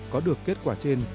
có được kết quả trên